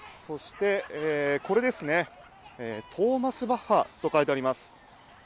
そしてこれですね、トーマス・バッハと書いてあります。